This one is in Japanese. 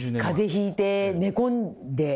ひいて寝込んで。